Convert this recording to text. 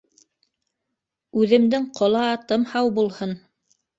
Үҙемдең ҡола атым һау булһын.